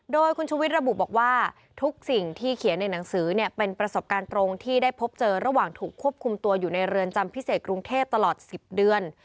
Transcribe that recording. โดยคุณชุวิตระบุบอกว่าทุกสิ่งที่เขียนในหนังสือเนี่ยเป็นประสบการณ์ตรงที่ได้พบเจอระหว่างถูกควบคุมตัวอยู่ในเรือนจำพิเศษกรุงเทพตลอด๑๐เดือน